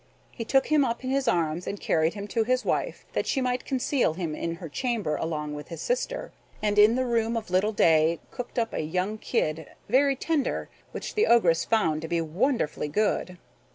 He took him up in his arms and carried him to his wife, that she might conceal him in her chamber along with his sister, and in the room of little Day cooked up a young kid, very tender, which the Ogress found to be wonderfully good.